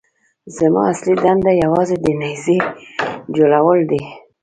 زما اصلي دنده یوازې د نيزې جوړول دي.